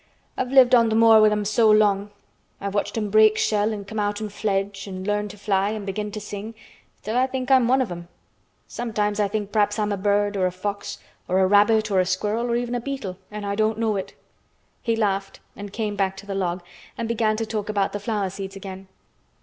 "I've lived on th' moor with 'em so long. I've watched 'em break shell an' come out an' fledge an' learn to fly an' begin to sing, till I think I'm one of 'em. Sometimes I think p'raps I'm a bird, or a fox, or a rabbit, or a squirrel, or even a beetle, an' I don't know it." He laughed and came back to the log and began to talk about the flower seeds again.